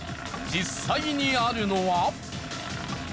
実際にあるのは。